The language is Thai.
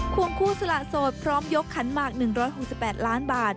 วงคู่สละโสดพร้อมยกขันหมาก๑๖๘ล้านบาท